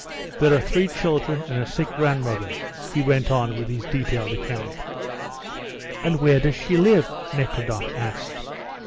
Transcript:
There are three children and a sick grandmother," he went on with his detailed account. "And where does she live?" Nekhludoff asked.